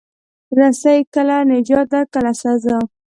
رسۍ کله نجات ده، کله سزا.